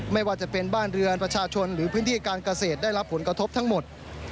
ไม่ว่าจะเป็นบ้านเรือนประชาชนหรือพื้นที่การเกษตรได้รับผลกระทบทั้งหมด